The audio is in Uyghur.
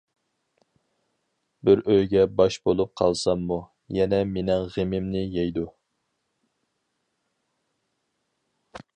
بىر ئۆيگە باش بولۇپ قالساممۇ، يەنە مېنىڭ غېمىمنى يەيدۇ.